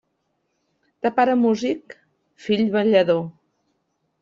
De pare músic, fill ballador.